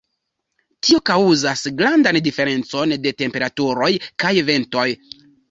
Tio kaŭzas grandan diferencon de temperaturoj kaj ventoj.